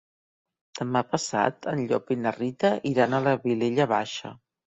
Demà passat en Llop i na Rita iran a la Vilella Baixa.